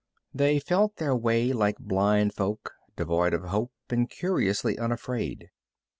They felt their way like blind folk, devoid of hope and curiously unafraid.